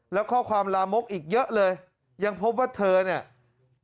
แล้วข้อความลามกอีกเยอะเลยยังพบว่าเธอเนี่ย